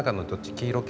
黄色系？